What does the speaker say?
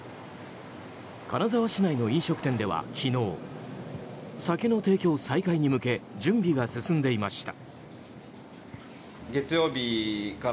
金沢市内の飲食店では昨日酒の提供再開に向け準備が進んでいました。